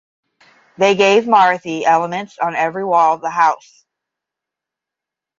They gave Marathi elements on every wall of the house.